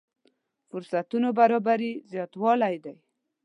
فرصتونو برابري زياتوالی دی.